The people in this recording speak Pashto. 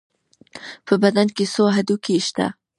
په بدن کې څو هډوکي شته؟